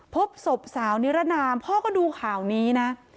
พบศพสาวนิรนามพ่อก็ดูข่าวนี้นะ